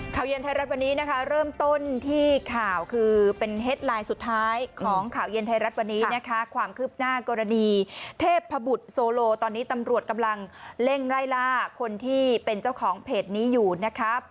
เย็นไทยรัฐวันนี้นะคะเริ่มต้นที่ข่าวคือเป็นเฮ็ดไลน์สุดท้ายของข่าวเย็นไทยรัฐวันนี้นะคะความคืบหน้ากรณีเทพบุตรโซโลตอนนี้ตำรวจกำลังเร่งไล่ล่าคนที่เป็นเจ้าของเพจนี้อยู่นะครับ